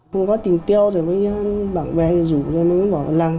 không có tình tiêu thì mấy bạn về rủ mấy người bỏ vào lăng